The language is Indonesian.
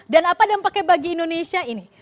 dan apa dampaknya bagi indonesia ini